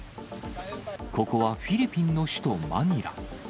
ここはフィリピンの首都マニラ。